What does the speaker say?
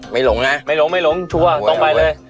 ไม่หลงนะไม่หลงชัวร์ต้องไปเลย